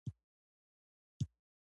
تړونونه رعایت کړي.